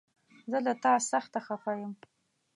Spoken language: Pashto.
زه له تا سخته خفه يم!